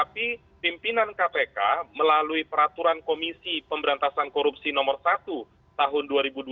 tapi pimpinan kpk melalui peraturan komisi pemberantasan korupsi nomor satu tahun dua ribu dua puluh